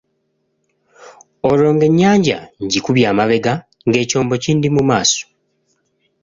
Olwo ng'ennyanja ngikubye amabega ng'ekyombo kindi mu maaso.